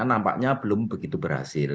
nampaknya belum begitu berhasil